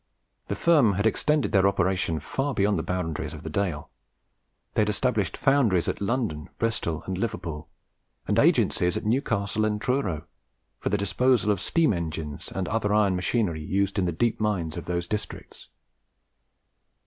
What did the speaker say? The firm had extended their operations far beyond the boundaries of the Dale: they had established foundries at London, Bristol, and Liverpool, and agencies at Newcastle and Truro for the disposal of steam engines and other iron machinery used in the deep mines of those districts.